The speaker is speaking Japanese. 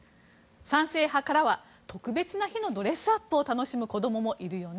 賛成派からは特別な日のドレスアップを楽しむ子供もいるよね。